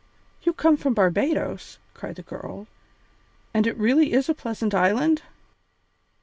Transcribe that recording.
"You come from Barbadoes?" cried the girl, "and it really is a pleasant island?"